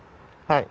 はい。